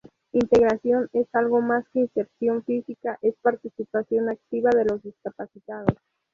Integración es algo más que inserción física; es participación activa de los discapacitados.